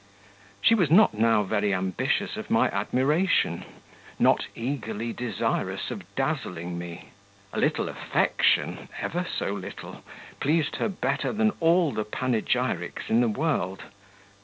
She was not now very ambitious of my admiration not eagerly desirous of dazzling me; a little affection ever so little pleased her better than all the panegyrics in the world.